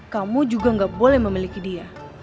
kamu juga gak boleh memiliki dia